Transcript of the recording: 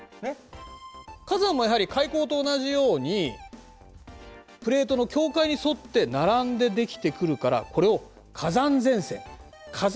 火山もやはり海溝と同じようにプレートの境界に沿って並んで出来てくるからこれを火山前線火山